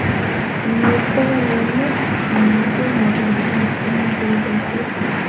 نو د دغه نعمت نه خو محروم محروم دی بلکي